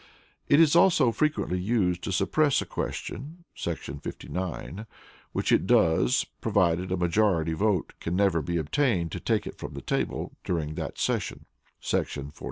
It is also frequently used to suppress a question [§ 59], which it does, provided a majority vote can never be obtained to take it from the table during that session [§ 42].